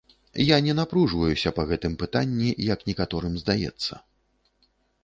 Я не напружваюся па гэтым пытанні, як некаторым здаецца.